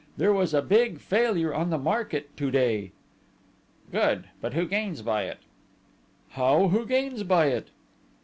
There was a big failure on the market to day." "Good, but who gains by it?" "How, who gains by it?"